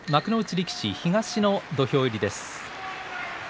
力士東の土俵入りです。